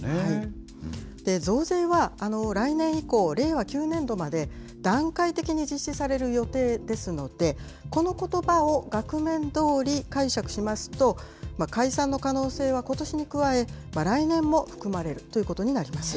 増税は来年以降、令和９年度まで、段階的に実施される予定ですので、このことばを額面どおり解釈しますと、解散の可能性はことしに加え、来年も含まれるということになります。